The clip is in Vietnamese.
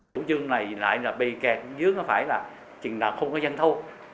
thủ chương này lại là bị kẹt dưới phải là trình đạo không có dân thô